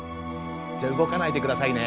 じゃ動かないでくださいね。